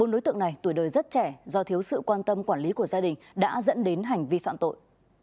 bốn đối tượng này tuổi đời rất trẻ do thiếu sự quan tâm quản lý của gia đình đã dẫn đến hành vi phạm tội